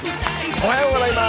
おはようございます。